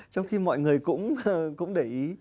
trong khi mọi người cũng để ý